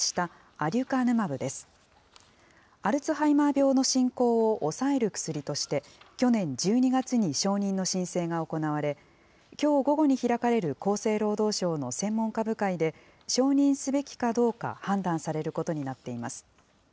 アルツハイマー病の進行を抑える薬として、去年１２月に承認の申請が行われ、きょう午後に開かれる厚生労働省の専門家部会で、承認すべきかどうか判断されることになっています。